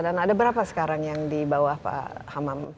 dan ada berapa sekarang yang di bawah pak hamam